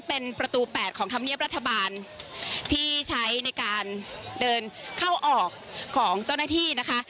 เป็นประตูแปดของธรรมเนียบรัฐบาลที่ใช้ในการเดินเข้าออกของเจ้าหน้าที่นะคะ